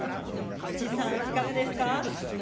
藤井さん、いかがですか。